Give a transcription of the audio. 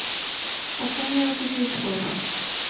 ওখানেই ওকে শেষ করব।